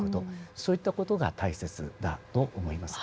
そういった事が大切だと思います。